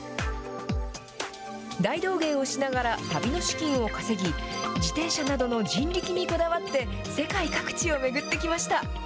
大道芸をしながら旅の資金を稼ぎ、自転車などの人力にこだわって世界各地を巡ってきました。